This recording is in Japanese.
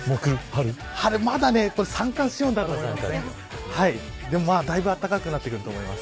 まだ三寒四温だと思います。